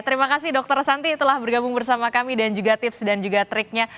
terima kasih dokter santi telah bergabung bersama kami dan juga tips dan juga triknya